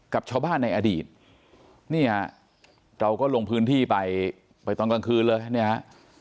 กับชาวบ้านในอดีตเนี่ยเราก็ลงพื้นที่ไปไปตอนกลางคืนเลยเนี่ยฮะ